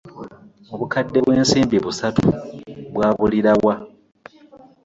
Obukadde bw'ensimbi busatu bwabulira wa?